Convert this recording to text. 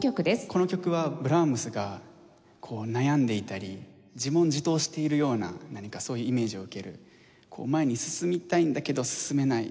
この曲はブラームスがこう悩んでいたり自問自答しているような何かそういうイメージを受けるこう前に進みたいんだけど進めない。